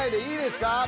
いいですか？